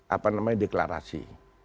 apa namanya deklarasi